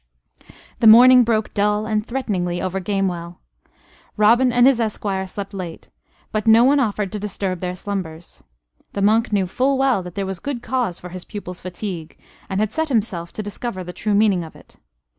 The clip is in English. The morning broke dull and threateningly over Gamewell. Robin and his esquire slept late; but no one offered to disturb their slumbers. The monk knew full well that there was good cause for his pupil's fatigue; and had set himself to discover the true meaning of it.